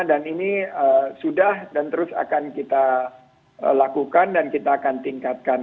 dan ini sudah dan terus akan kita lakukan dan kita akan tingkatkan